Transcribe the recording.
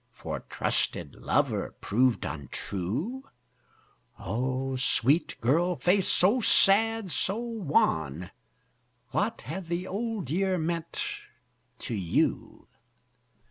For trusted lover proved untrue? O sweet girl face, so sad, so wan What hath the Old Year meant to you?